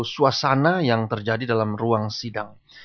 suasana yang terjadi dalam ruang sidang